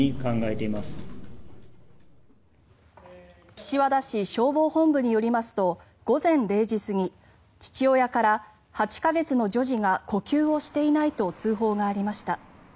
岸和田市消防本部によりますと、午前０時過ぎ父親から８か月の女児が呼吸をしていないと通報がありました。